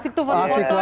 asik tuh foto foto ya